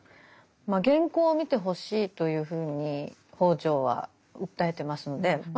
原稿を見てほしいというふうに北條は訴えてますのでまあ